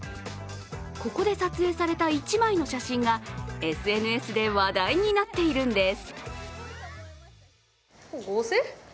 ここで撮影された１枚の写真がＳＮＳで話題になっているんです。